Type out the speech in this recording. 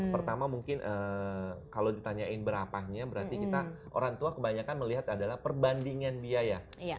pertama mungkin kalau ditanyain berapanya berarti kita orang tua kebanyakan melihat adalah perbandingan biaya